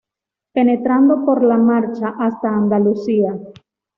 Penetrando por la Mancha hasta Andalucía.